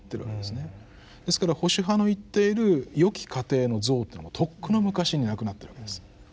ですから保守派の言っているよき家庭の像というのはとっくの昔になくなってるわけです。